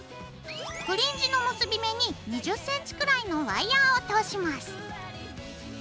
フリンジの結び目に２０ｃｍくらいのワイヤーを通します。